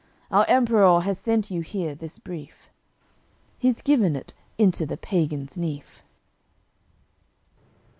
Our Emperour has sent you here this brief." He's given it into the pagan's nief.